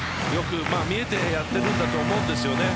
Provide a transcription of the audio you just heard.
見えてやっているんだと思うんですよね。